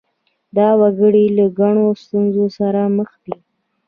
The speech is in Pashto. دا وګړي له ګڼو ستونزو سره مخ دي.